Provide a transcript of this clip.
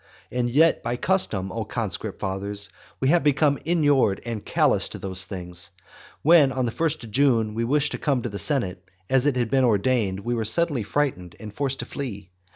And yet by custom, O conscript fathers, we have become inured and callous to these things. When on the first of June we wished to come to the senate, as it had been ordained, we were suddenly frightened and forced to flee.